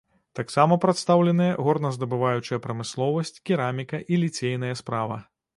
Таксама прадстаўленыя горназдабываючая прамысловасць, кераміка і ліцейная справа.